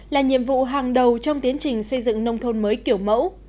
là nhiệm vụ hàng đầu trong tiến trình xây dựng nông thôn mới kiểu mẫu